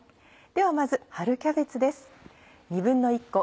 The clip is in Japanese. ではまず春キャベツです。